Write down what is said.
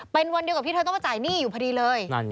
เป็นวันเดียวกับที่เธอต้องมาจ่ายหนี้อยู่พอดีเลย